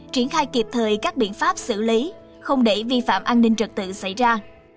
triển khai kịp thời các biện pháp xử lý không để vi phạm an ninh trật tự xảy ra